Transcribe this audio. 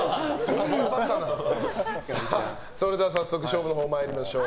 それでは早速勝負のほう参りましょう。